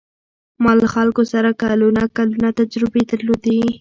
ما له خلکو سره کلونه کلونه تجربې درلودې.